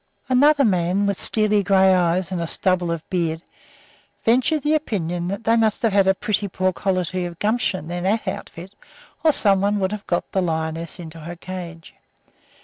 ] Another man, with steely gray eyes and a stubble of beard, ventured the opinion that they must have had a pretty poor quality of gumption in that outfit, or somebody would have got the lioness into her cage.